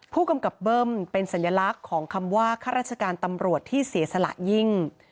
ผู้กำกับเบิ้มเป็นสัญลักษณ์ของคำว่าข้าราชการตำรวจที่เสียสละยิ่ง